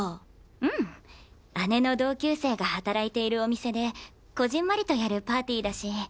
うん姉の同級生が働いているお店でこぢんまりとやるパーティーだし。